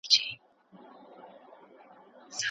پنځه جمع يو؛ شپږ کېږي.